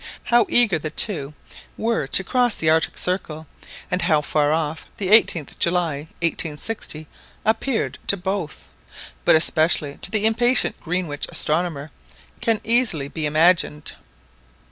How eager the two were to cross the Arctic Circle, and how far off the 18th July 1860 appeared to both, but especially to the impatient Greenwich astronomer, can easily be imagined.